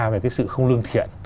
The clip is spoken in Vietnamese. về cái sự không lương thiện